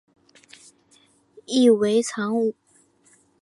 意为武藏野中的原野。